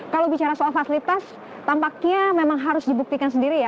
kalau bicara soal fasilitas tampaknya memang harus dibuktikan sendiri ya